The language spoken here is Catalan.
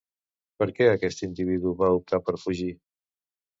Per què aquest individu va optar per fugir?